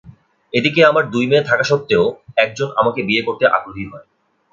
এদিকে আমার দুই মেয়ে থাকা সত্ত্বেও একজন আমাকে বিয়ে করতে আগ্রহী হয়।